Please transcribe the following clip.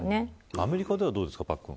アメリカではどうですかパックン。